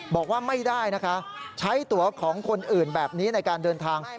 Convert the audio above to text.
บอกว่าไม่ได้นะคะใช้ตัวของคนอื่นแบบนี้ในการเดินทาง